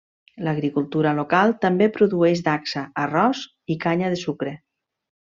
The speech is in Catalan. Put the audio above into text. L'agricultura local també produeix dacsa, arròs i canya de sucre.